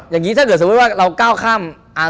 อย่างนี้ถ้าเกิดสมมุติว่าเราก้าวข้าม